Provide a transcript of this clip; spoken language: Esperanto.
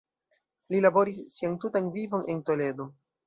Li laboris sian tutan vivon en Toledo.